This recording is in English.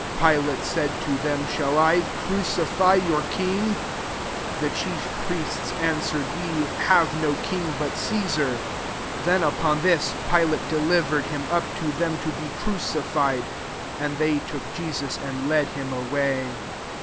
Pilate said to them, " Shall I crucify your King ?" The chief priesls answered, " We have no king but Caesar." 16 Then, upon this, Filate delivered him up to them to be crucified. [And they took Jesus, and led him away.